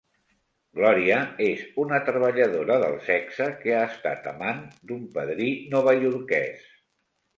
Glòria és una treballadora del sexe que ha estat amant d'un padrí novaiorquès.